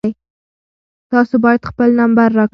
تاسو باید خپل نمبر راکړئ.